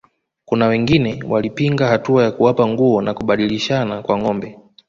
Kuna wengine walipinga hatua ya kuwapa nguo na kubadilishana kwa ngombe